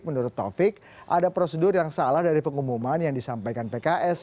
menurut taufik ada prosedur yang salah dari pengumuman yang disampaikan pks